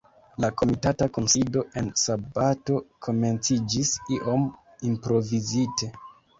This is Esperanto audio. La komitata kunsido en sabato komenciĝis iom improvizite.